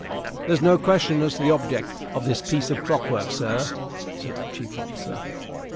"There's no question as to the object of this piece of clockwork, sir," said the chief officer.